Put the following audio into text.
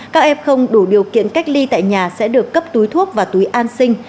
các f đủ điều kiện cách ly tại nhà sẽ được cấp túi thuốc và túi an sinh